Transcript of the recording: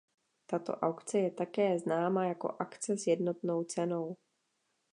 Tato aukce je také známá jako akce s jednotnou cenou.